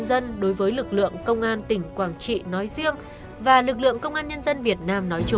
pas international gửi không được chicken person nha